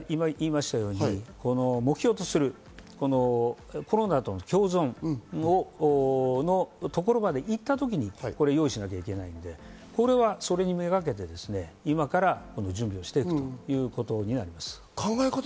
目標とするコロナとの共存のところまで行った時に用意しなければならないので、それにめがけて今から準備をしていくということになります。